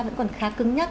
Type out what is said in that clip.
vẫn còn khá cứng nhất